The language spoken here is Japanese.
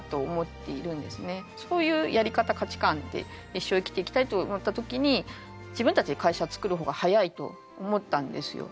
そういうやり方価値観で一生生きていきたいと思った時に自分たちで会社つくる方が早いと思ったんですよ。